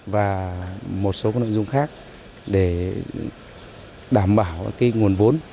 và một số nội dung khác để đảm bảo cái nguồn vốn